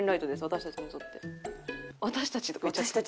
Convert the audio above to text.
私たちにとって。